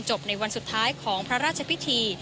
ในวันสุดท้ายของพระราชพิธี